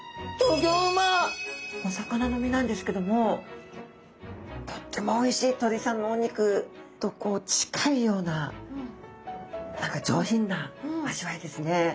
お魚の身なんですけどもとってもおいしい鶏さんのお肉とこう近いような何か上品な味わいですね。